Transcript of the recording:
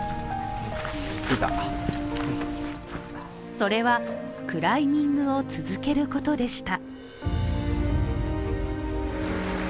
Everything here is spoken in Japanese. それはクライミングを続けることでした。